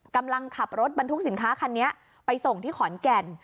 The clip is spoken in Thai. กำลังขับรถบรรทุกสินค้าคันนี้ไปส่งที่ขอนแก่น